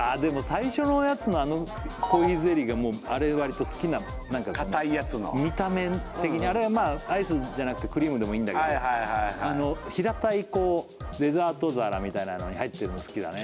最初のやつのコーヒーゼリーがあれ割と好きなかたいやつの見た目的にあれがアイスじゃなくてクリームでもいいんだけど平たいデザート皿みたいなのに入ってるの好きだね